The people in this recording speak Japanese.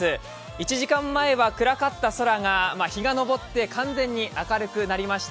１時間前は暗かった空が日が昇って完全に明るくなりました。